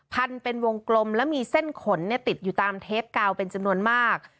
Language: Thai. พันเป็นวงกลมและมีเส้นขนติดอยู่ตามเทปกาวเป็นจำนวนมาก